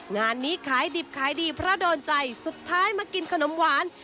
งานนี้ขายดิบขายดีเพราะโดนใจสุดท้ายมากินขนมหวาน